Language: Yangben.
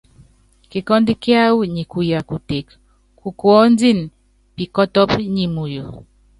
Kikɔ́ndú kíáwɔ nyi kuya kuteke, kukuɔndini pikɔtɔ́pɔ nyi muyu.